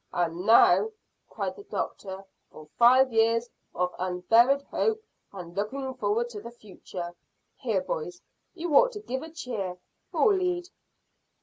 "And now," cried the doctor, "for five years of unburied hope and looking forward to the future. Here, boys, you ought to give a cheer. Who'll lead?"